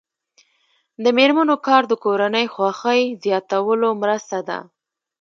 د میرمنو کار د کورنۍ خوښۍ زیاتولو مرسته ده.